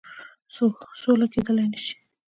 سوله کېدلای نه سي.